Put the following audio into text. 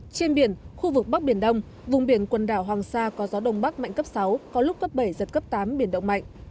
trên biển khu vực bắc biển đông vùng biển quần đảo hoàng sa có gió đông bắc mạnh cấp sáu có lúc cấp bảy giật cấp tám biển động mạnh